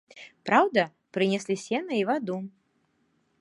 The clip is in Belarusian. Праўда, прынеслі сена і ваду.